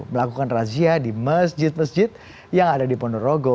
melakukan razia di masjid masjid yang ada di ponorogo